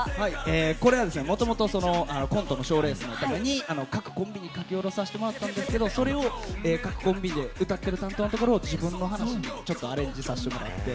これは、もともと、コントの賞レースのために各コンビに書き下ろさせてもらったんですけれども、それを各コンビで歌ってる担当のところを自分の話にアレンジさせてもらって。